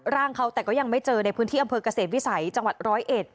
ร่างเขาแต่ก็ยังไม่เจอในพื้นที่อำเภอกเกษตรวิสัยจังหวัดร้อยเอ็ด